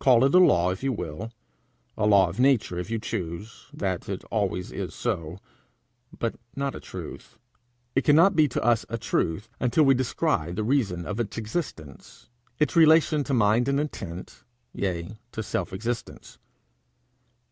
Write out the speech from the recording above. Call it a law if you will a law of nature if you choose that it always is so, but not a truth. It cannot be to us a truth until we descry the reason of its existence, its relation to mind and intent, yea to self existence.